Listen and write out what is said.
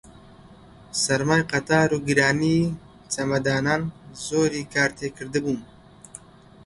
سەرمای قەتار و گرانی چەمەدانان زۆری کار تێ کردبووم